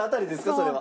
それは。